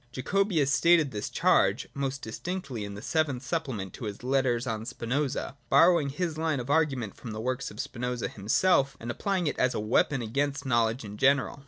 Jacobi has stated this charge most distinctl}' in the seventh supplement to his Letters on Spinoza, — borrow ing his line of argument from the works of Spinoza himself, and applj'ing it as a weapon against knowledge in general.